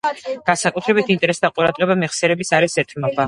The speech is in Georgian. განსაკუთრებული ინტერესი და ყურადღება მეხსიერების არეს ეთმობა.